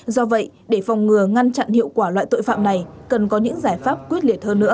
do vậy để phòng ngừa ngăn chặn hiệu quả loại tội phạm này cần có những giải pháp quyết liệt hơn nữa